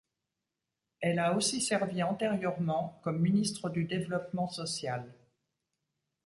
Elle a aussi servi antérieurement comme ministre du Développement social.